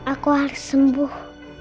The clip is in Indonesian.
aku harus sembuh